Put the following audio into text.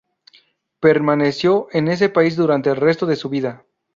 Permaneció en ese país durante el resto de su vida.